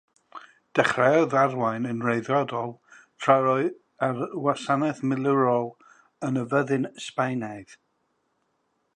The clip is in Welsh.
Dechreuodd arwain yn wreiddiol tra'r roedd ar wasanaeth milwrol yn y Fyddin Sbaenaidd.